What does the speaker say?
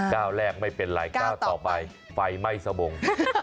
ก้าวแรกไม่เป็นไรก้าวต่อไปไฟไม่สบง